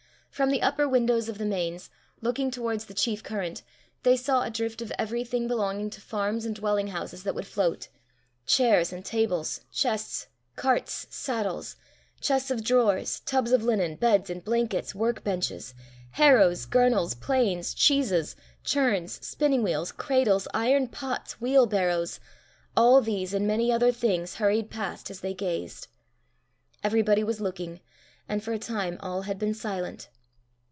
From the upper windows of the Mains, looking towards the chief current, they saw a drift of everything belonging to farms and dwelling houses that would float. Chairs and tables, chests, carts, saddles, chests of drawers, tubs of linen, beds and blankets, workbenches, harrows, girnels, planes, cheeses, churns, spinning wheels, cradles, iron pots, wheel barrows all these and many other things hurried past as they gazed. Everybody was looking, and for a time all had been silent.